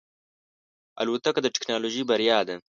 الوتکه د ټکنالوژۍ بریا ده.